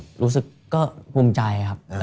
รู้สึกก็ภูมิใจครับ